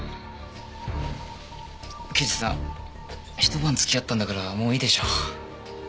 刑事さんひと晩付き合ったんだからもういいでしょ？